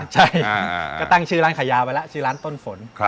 ใช่ก็ตั้งชื่อร้านขายยาไว้แล้วชื่อร้านต้นฝน